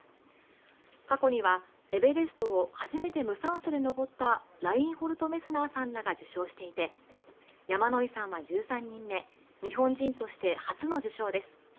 過去にはエベレストを初めて無酸素で登ったラインホルト・メスナーさんらが受賞していて山野井さんは１３人目、日本人として初の受賞です。